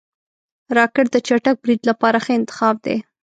راکټ د چټک برید لپاره ښه انتخاب دی